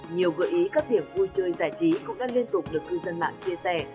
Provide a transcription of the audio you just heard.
nhiều gợi ý các điểm vui chơi giải trí cũng đã liên tục được cư dân mạng chia sẻ